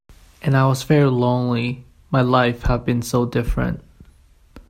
And I was very lonely — my life had been so different.